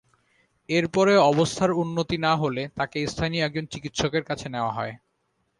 এরপরেও অবস্থার উন্নতি না হলে তাঁকে স্থানীয় একজন চিকিৎসকের কাছে নেওয়া হয়।